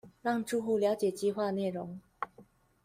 讓住戶瞭解計畫內容